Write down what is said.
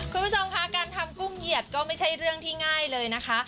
คุณผู้ชมค่ะการทำกุ้งเหยียดก็ไม่ใช่เรื่องที่ง่ายเลยนะคะ